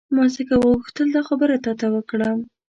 ما ځکه وغوښتل دا خبره تا ته وکړم.